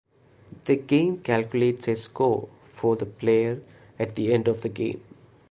The game calculates a score for the player at the end of the game.